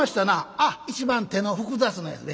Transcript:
「ああ一番手の複雑なやつで。